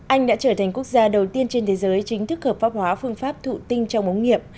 anh đã trở thành quốc gia đầu tiên trên thế giới chính thức hợp pháp hóa phương pháp thụ tinh trong ống nghiệm